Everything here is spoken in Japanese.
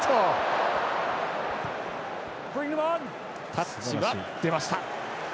タッチは出ました。